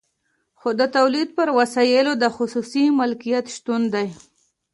خو د تولید پر وسایلو د خصوصي مالکیت شتون دی